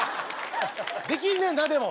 できんねんなでも。